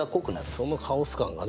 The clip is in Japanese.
そのカオス感がね